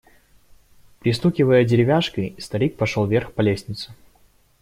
Пристукивая деревяшкой, старик пошел вверх по лестнице.